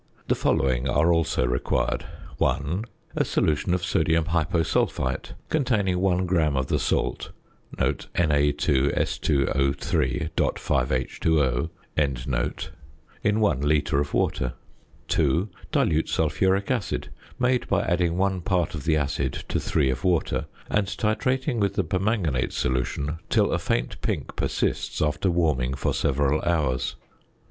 The following are also required: 1. A solution of sodium hyposulphite containing 1 gram of the salt (Na_S_O_.5H_O) in 1 litre of water. 2. Dilute sulphuric acid, made by adding one part of the acid to three of water, and titrating with the permanganate solution till a faint pink persists after warming for several hours.